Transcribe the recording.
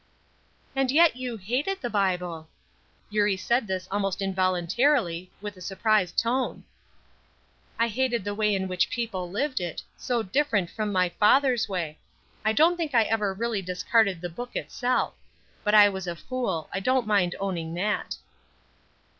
"And yet you hated the Bible!" Eurie said this almost involuntarily, with a surprised tone. "I hated the way in which people lived it, so different from my father's way. I don't think I ever really discarded the book itself. But I was a fool; I don't mind owning that."